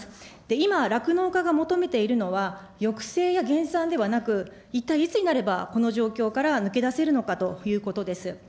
今、酪農家が求めているのは、抑制や減産ではなく、一体いつになれば、この状況から抜け出せるのかということです。